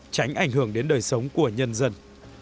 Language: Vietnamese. tránh ảnh hưởng đến đời sống của nhân dân